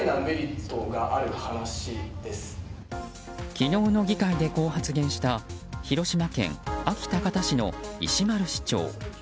昨日の議会で、こう発言した広島県安芸高田市の石丸市長。